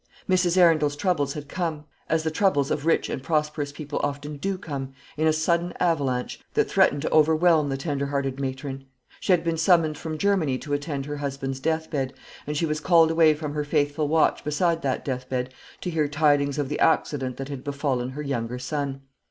Mrs. Arundel's troubles had come, as the troubles of rich and prosperous people often do come, in a sudden avalanche, that threatened to overwhelm the tender hearted matron. She had been summoned from Germany to attend her husband's deathbed; and she was called away from her faithful watch beside that deathbed, to hear tidings of the accident that had befallen her younger son.